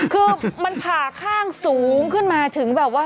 คือมันผ่าข้างสูงขึ้นมาถึงแบบว่า